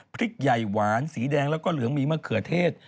พริกใหญ่หวานสีแดงแล้วก็เหลืองมีมะเขือเทศ